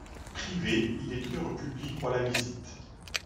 Privé, il est ouvert au public pour la visite.